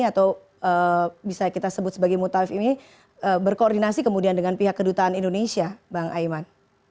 atau bisa kita sebut sebagai mutalif ini berkoordinasi kemudian dengan pihak kedutaan indonesia bang aiman